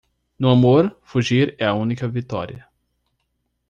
No amor, fugir é a única vitória.